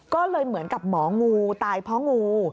ก็เลยเหมือนกับหมองูตายเพราะงู